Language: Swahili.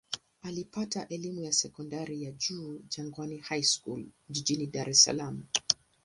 Alipata elimu ya sekondari ya juu Jangwani High School jijini Dar es Salaam.